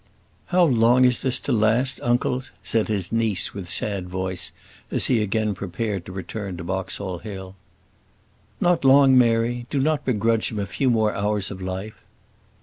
"How long is this to last, uncle?" said his niece, with sad voice, as he again prepared to return to Boxall Hill. "Not long, Mary; do not begrudge him a few more hours of life."